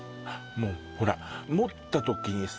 もうほら持った時にさ